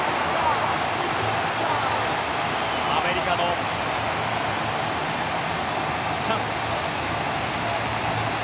アメリカのチャンス。